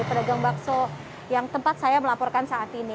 pedagang bakso yang tempat saya melaporkan saat ini